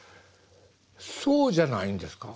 そうじゃないんですか？